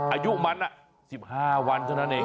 อายุมัน๑๕วันเท่านั้นเอง